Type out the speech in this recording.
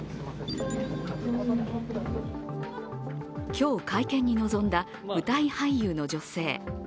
今日、会見に臨んだ舞台俳優の女性。